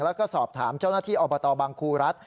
แล้วก็สอบถามเจ้าหน้าที่อบตบังครูรัฐ